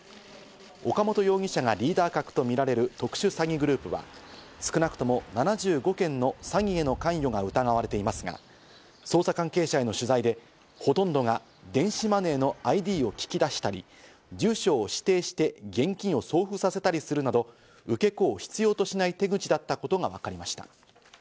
岡本容疑者がリーダー格とみられる特殊詐欺グループは少なくとも７５件の詐欺への関与が疑われていますが、捜査関係者への取材で、ほとんどが電子マネーのＩＤを聞き出したり、住所を指定して現金を送付させたりするなど、受け子を必要としない手口だったことがわかりました。